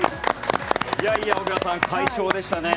小椋さん、快勝でしたね。